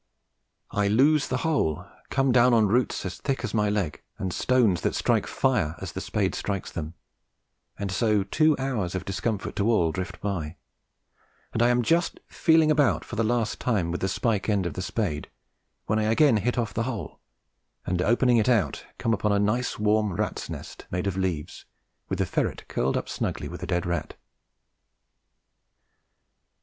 I lose the hole, come down on roots as thick as my leg and stones that strike fire as the spade strikes them; and so two hours of discomfort to all drift by, and I am just feeling about for the last time with the spike end of the spade, when I again hit off the hole and, opening it out, come upon a nice warm rat's nest made of leaves, with the ferret curled up snugly with a dead rat.